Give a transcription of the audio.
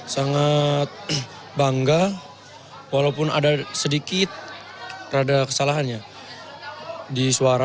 sangat bangga walaupun ada sedikit rada kesalahannya di suara